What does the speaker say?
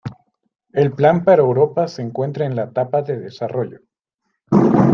El plan para Europa se encuentra en la etapa de desarrollo.